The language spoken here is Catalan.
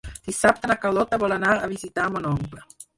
Dissabte na Carlota vol anar a visitar mon oncle.